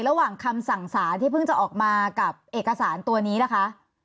ระหว่างคำสั่งสารที่เพิ่งจะออกมากับเอกสารตัวนี้ล่ะคะ